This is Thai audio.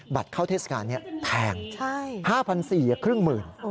บัตรเข้าเทศกาลแทง๕๔๐๐บาทครึ่งหมื่น